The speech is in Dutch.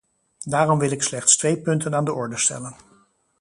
Daarom wil ik slechts twee punten aan de orde stellen.